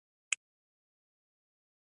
بزګر د شنو باغونو بڼوال دی